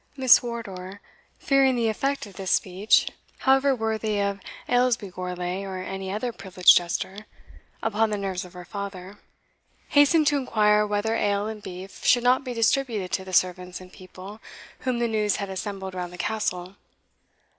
Miss Wardour, fearing the effect of this speech (however worthy of Ailsbie Gourlay, or any other privileged jester) upon the nerves of her father, hastened to inquire whether ale and beef should not be distributed to the servants and people whom the news had assembled round the Castle.